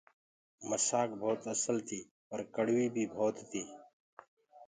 موسآ ڀوت اسل تي پر ڪڙويٚ بي ڀوت هوندي۔